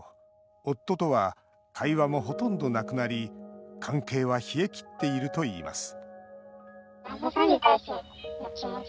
夫とは会話もほとんどなくなり関係は冷えきっているといいます